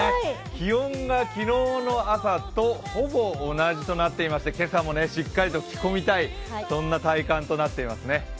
気温が昨日の朝とほぼ同じとなっていまして今朝もしっかりと着込みたい体感となっていますね。